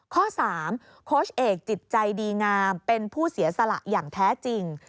ข้อ๓โค้ชเอกจิตใจดีงามเป็นผู้เสียสละอย่างแท้จริง